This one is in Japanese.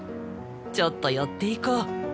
ちょっと寄っていこう。